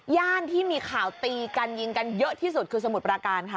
ย่านที่มีข่าวตีกันยิงกันเยอะที่สุดคือสมุทรปราการค่ะ